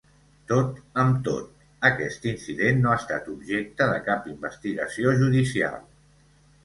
Tot amb tot, aquest incident no ha estat objecte de cap investigació judicial.